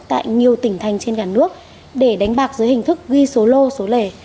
tại nhiều tỉnh thành trên cả nước để đánh bạc dưới hình thức ghi số lô số lề